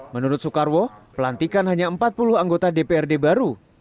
menurut soekarwo pelantikan hanya empat puluh anggota dprd baru